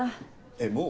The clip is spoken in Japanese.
えっもう？